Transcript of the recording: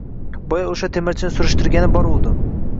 Boya o‘sha temirchini surishtirgani boruvdim